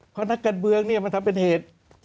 เพราะนักการเมืองเนี่ยมันทำเป็นเหตุ